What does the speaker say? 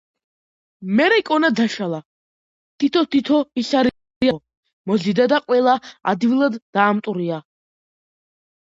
მერე კონა დაშალა, თითო-თითო ისარი აიღო, მოზიდა და ყველა ადვილად დაამტვრია.